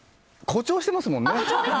誇張してますもんね？